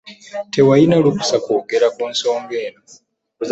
Tewalina lukusa kwogera ku nsonga eno.